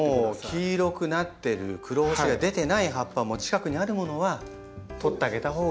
もう黄色くなってる黒星が出てない葉っぱも近くにあるものは取ってあげたほうが。